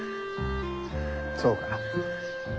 そうか。